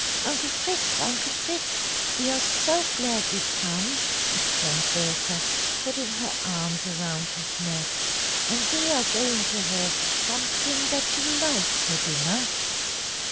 "Uncle Fritz! Uncle Fritz! We are so glad you've come," exclaimed Bertha, putting her arms around his neck. "And we are going to have something that you like for dinner."